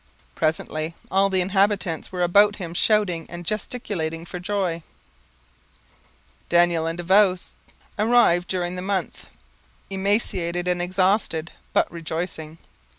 Presently all the inhabitants were about him shouting and gesticulating for joy. Daniel and Davost arrived during the month, emaciated and exhausted, but rejoicing.